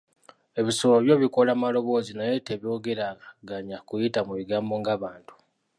Ebisolo byo bikola maloboozi naye tebyogeraganya kuyita mu bigambo nga muntu